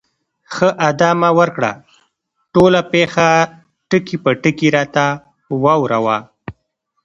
ښه، ادامه ورکړه، ټوله پېښه ټکي په ټکي راته واوره وه.